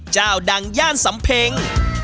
เจ้าดังย่านสำเพ็ง